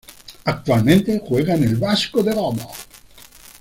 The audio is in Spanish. Actualmente juega en el Vasco da Gama.